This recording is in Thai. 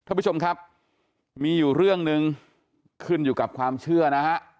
ท่านผู้ชมครับมีอยู่เรื่องหนึ่งขึ้นอยู่กับความเชื่อนะฮะ